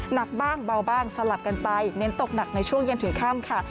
หนักบ้างเบาบ้างสลับกันไปเน้นตกหนักในช่วงเย็นถึงค่ำค่ะ